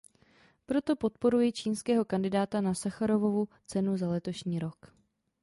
Proto podporuji čínského kandidáta na Sacharovovu cenu za letošní rok.